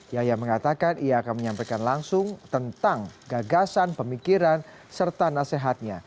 yahya mengatakan ia akan menyampaikan langsung tentang gagasan pemikiran serta nasihatnya